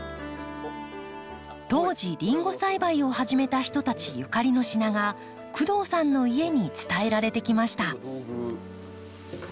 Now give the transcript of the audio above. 当時リンゴ栽培を始めた人たちゆかりの品が工藤さんの家に伝えられてきました。